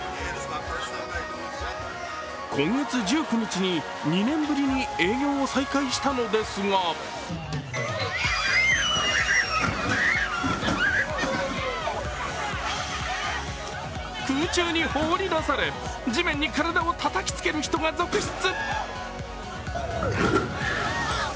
今月１９日に２年ぶりに営業を再開したのですが空中に放り出され地面に体をたたきつける人が続出。